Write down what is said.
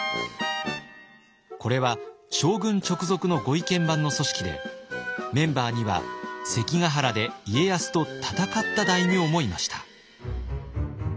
これは将軍直属のご意見番の組織でメンバーには関ヶ原で家康と戦った大名もいました。